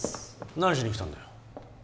何しに来たんだよ